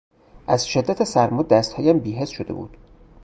از شدت سرما دستهایم بیحس شده بود.